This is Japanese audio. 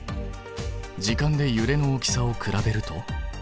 時間でゆれの大きさを比べると？